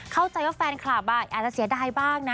เข้าใจว่าแฟนคลับอาจจะเสียดายบ้างนะ